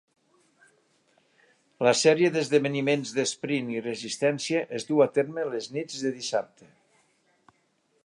La sèrie d'esdeveniments d'esprint i resistència es duu a terme les nits de dissabte.